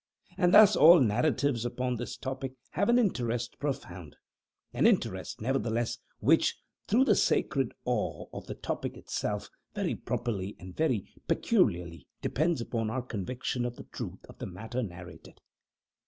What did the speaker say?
And thus all narratives upon this topic have an interest profound; an interest, nevertheless, which, through the sacred awe of the topic itself, very properly and very peculiarly depends upon our conviction of the truth of the matter narrated.